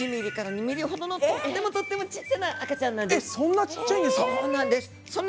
そんなにちっちゃいんですか！？